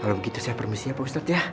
kalau begitu saya permisi ya pak ustadz ya